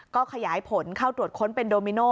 ก็ขยายผลเข้าตรวจค้นเป็นโดมิโน